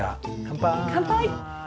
乾杯。